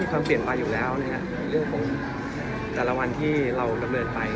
มันก็เปลี่ยนไปอยู่แล้วนะครับเรื่องของแต่ละวันที่เรานำเนิดไป